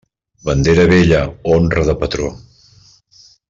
Bandera vella, honra de patró.